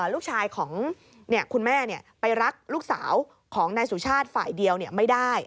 ลูกชายของคุณแม่ไปรักลูกสาวของนายสุชาติฝ่ายเดียวไม่ได้